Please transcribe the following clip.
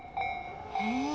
へえ。